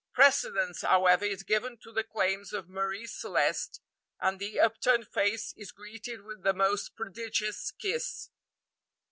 Precedence, however, is given to the claims of Marie Celeste, and the upturned face is greeted with the most prodigious kiss.